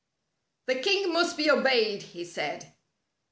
" The king must be obeyed," he said.